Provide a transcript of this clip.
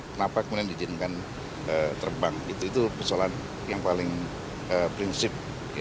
kenapa kemudian diizinkan terbang itu persoalan yang paling prinsip